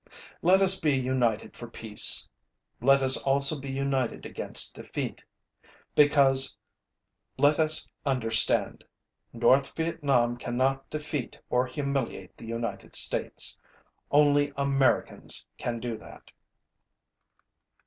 Let us be united for peace. Let us also be united against defeat. Because let us understand North Vietnam cannot defeat or humiliate the United States. Only Americans can do that.